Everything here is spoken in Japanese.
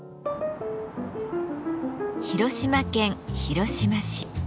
広島県広島市。